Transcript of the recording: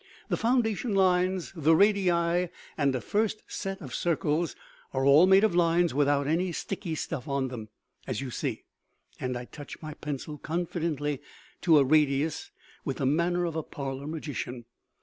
"The foundation lines, the radii and a first set of circles are all made of lines without any sticky stuff on them. As you see" and I touch my pencil confidently to a radius, with the manner of a parlor magician.